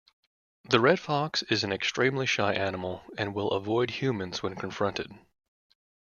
The Red Fox is an extremely shy animal, and will avoid humans when confronted.